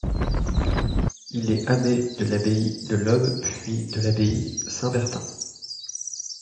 Il est abbé de l'abbaye de Lobbes puis de l'abbaye Saint-Bertin.